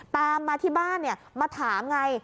ตามมาที่บ้านมาถามไง